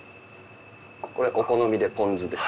これお好みでポン酢です。